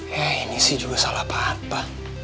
ya ini sih juga salah papa